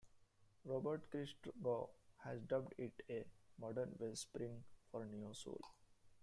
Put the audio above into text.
Robert Christgau has dubbed it a "modern wellspring" for neo soul.